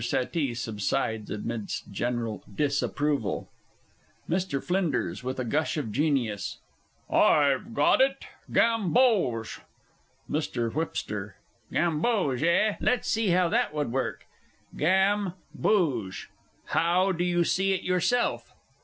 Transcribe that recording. SETTEE subsides amidst general disapproval. MR. FLINDERS (with a flash of genius). I've got it Gamboge! MR. WH. Gamboge, eh? Let's see how that would work: "Gam" "booge." How do you see it yourself?